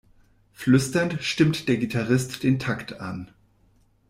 Flüsternd stimmt der Gitarrist den Takt an.